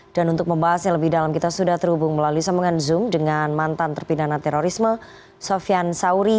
dan untuk membahas yang lebih dalam kita sudah terhubung melalui sambungan zoom dengan mantan terpindahan terorisme sofian sauri